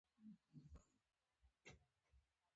ډېره متفاوته بڼه یې اختیار کړه.